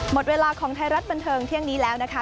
หมดเวลาของไทยรัฐบันเทิงเที่ยงนี้แล้วนะคะ